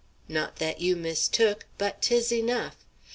Not that you mistook, but 'tis enough.